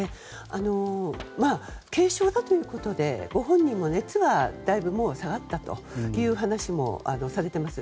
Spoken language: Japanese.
軽症だということでご本人も熱はだいぶ下がったという話もされています。